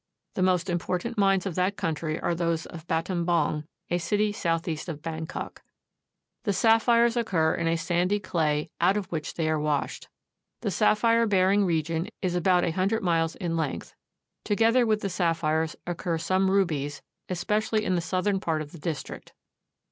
The most important mines of that country are those of Battambong, a city southeast of Bangkok. The sapphires occur in a sandy clay out of which they are washed. The sapphire bearing region is about a hundred miles in length. Together with the sapphires occur some rubies, especially in the southern part of the district.